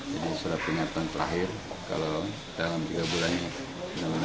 jadi sudah penyertaan terakhir kalau dalam tiga bulan